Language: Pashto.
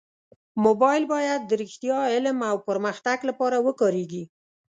موبایل باید د رښتیا، علم او پرمختګ لپاره وکارېږي.